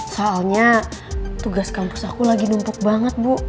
soalnya tugas kampus aku lagi numpuk banget bu